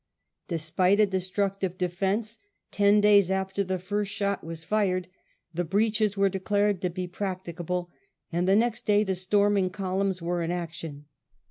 Despite a destruc tive defence, ten days after the first shot was fired the breaches were declared to be practicable, and the next day the storming columns were in action.